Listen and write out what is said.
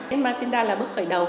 nhạc kịch matinda là bước khởi đầu